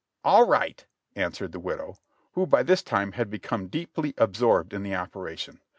"All right," answered the widow, who by this time had become deeply absorbed in the operation.